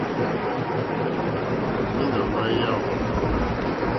Mǐnà má yáò.